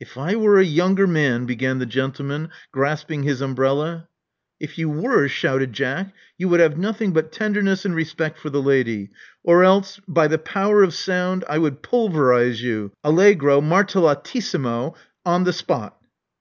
If I were a' younger man," began the gentleman, grasping his umbrella If you were," shouted Jack, you would have nothing but tenderness and respect for the lady; or else, by the power of sound, I would pulverize you — allegro martellatissimO' on the spot.